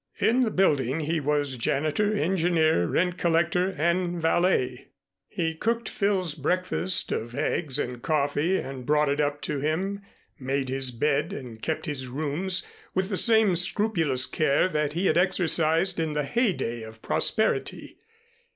In the building he was janitor, engineer, rent collector, and valet. He cooked Phil's breakfast of eggs and coffee and brought it up to him, made his bed and kept his rooms with the same scrupulous care that he had exercised in the heydey of prosperity.